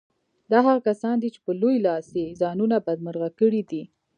دا هغه کسان دي چې په لوی لاس يې ځانونه بدمرغه کړي دي.